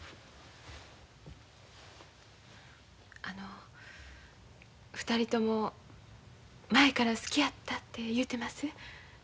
あの２人とも前から好きやったて言うてます。